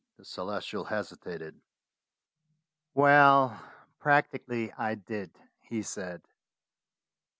The Celestial hesitated. "Well, practically I did," he said.